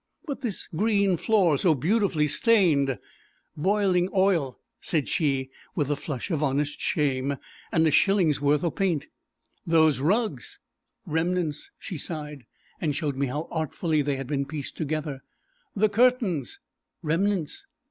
"But this green floor, so beautifully stained " "Boiling oil," said she, with a flush of honest shame, "and a shillingsworth o' paint." "Those rugs " "Remnants," she sighed, and showed me how artfully they had been pieced together. "The curtains " "Remnants."